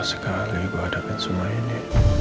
rasanya lelah sekali gue hadapin semua ini